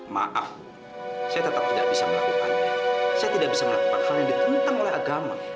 maaf saya tetap tidak bisa melakukan hal yang ditentang oleh agama